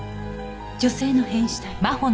女性の変死体？